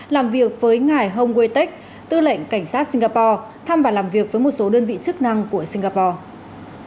làm việc với ngài hồng quê tích tư lệnh cảnh sát singapore thăm và làm việc với một số đơn vị chức năng của singapore